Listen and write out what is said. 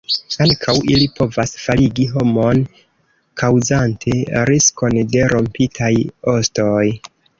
Ankaŭ ili povas faligi homon, kaŭzante riskon de rompitaj ostoj.